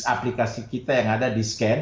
aplikasi kita yang ada di scan